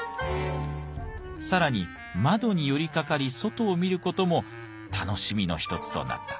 更に窓に寄りかかり外を見る事も楽しみの一つとなった。